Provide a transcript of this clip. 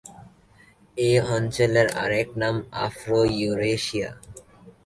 এ অঞ্চলের আরেক নাম আফ্রো-ইউরেশিয়া।